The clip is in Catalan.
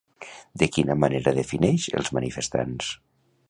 De quina manera defineix els manifestants?